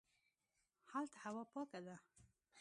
هلته هوا پاکه ده